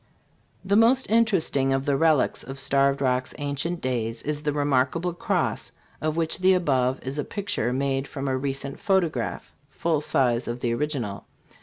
The most interesting of the relics of Starved Rock's ancient days is the remarkable cross, of which the above is a picture made from a recent pho tograph (full size of the original.)